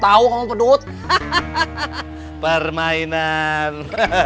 udah kembali misalnya sama pengen balik dekang